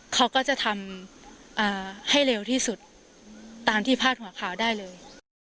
เขาก็จะทำให้เร็วที่สุดตามที่พาดหัวข่าวได้เลย